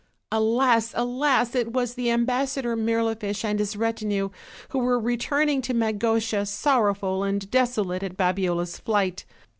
Alas! alas! it was the Ambas sador Mirlifiche and his retinue, who were returning to Magotia, sorrowful and desolate at Babiola's flight.